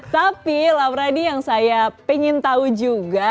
tapi laurani yang saya pengen tahu juga